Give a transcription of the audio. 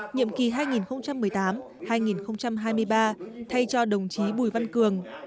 nhiệm kỳ hai nghìn một mươi tám hai nghìn hai mươi ba thay cho đồng chí bùi văn cường